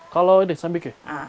kalau ini sambiki